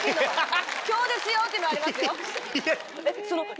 今日ですよ！っていうのはありますよ。